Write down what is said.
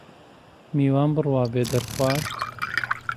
میوان بڕوا بێ دەرخوارد